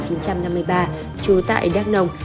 trú tại đắk nông